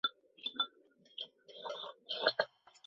晋国伯宗之子。